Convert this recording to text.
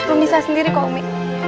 belum bisa sendiri kok umi